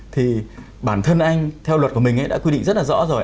thì bản thân anh theo luật của mình đã quy định rất là rõ rồi